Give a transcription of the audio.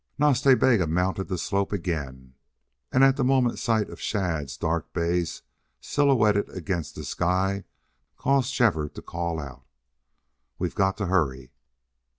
Nas Ta Bega mounted the slope again, and at the moment sight of Shadd's dark bays silhouetted against the sky caused Shefford to call out: "We've got to hurry!"